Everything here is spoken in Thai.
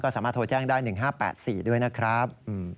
สามารถโทรแจ้งได้๑๕๘๔ด้วยนะครับ